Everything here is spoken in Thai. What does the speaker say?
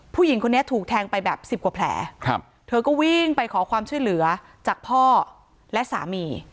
ผู้หญิงคนนี้ถูกแทงไปแบบสิบกว่าแผลครับเธอก็วิ่งไปขอความช่วยเหลือจากพ่อและสามี